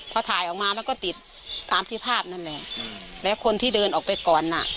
พอถ่ายออกมามันก็ติดตามที่ภาพนั่นแหละแล้วคนที่เดินออกไปก่อนน่ะ